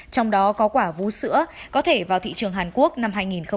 trong đó có quả vú sữa có thể vào thị trường hàn quốc năm hai nghìn một mươi tám